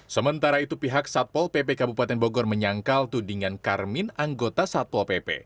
sementara itu pihak satpol pp kabupaten bogor menyangkal tudingan karmin anggota satpol pp